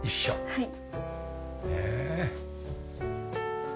はい。